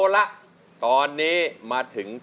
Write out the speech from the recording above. แหละคุณภาพแหละคุณภาพ